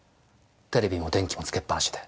テレビも電気も点けっぱなしで。